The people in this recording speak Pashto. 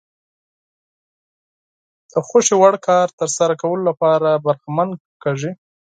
د خوښې وړ کار ترسره کولو لپاره برخمن کېږي.